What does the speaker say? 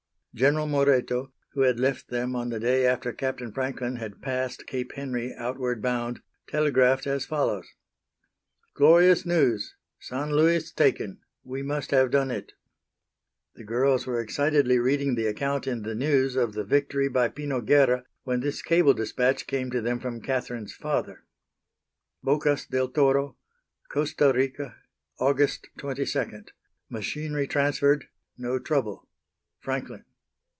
General Moreto, who had left them on the day after Captain Franklin had passed Cape Henry outward bound, telegraphed as follows: Glorious news; San Luis taken. We must have done it. The girls were excitedly reading the account in The News of the victory by Pino Guerra when this cable dispatch came to them from Catherine's father: Bocas del Toro. Costa Rica, Aug. 22. Machinery transferred; no trouble. FRANKLIN.